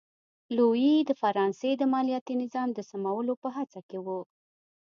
لويي د فرانسې د مالیاتي نظام د سمولو په هڅه کې و.